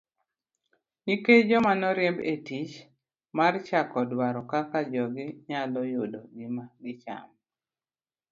Nikech joma noriemb e tich mar chako dwaro kaka jogi nyalo yudo gima gichamo.